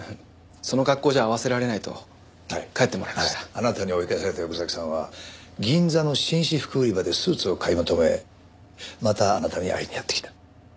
あなたに追い返された横崎さんは銀座の紳士服売り場でスーツを買い求めまたあなたに会いにやって来た。